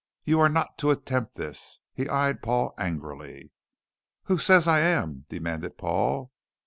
"You are not to attempt this." He eyed Paul angrily. "Who says I am?" demanded Paul.